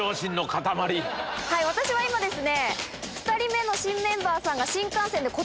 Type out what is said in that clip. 私は今ですね。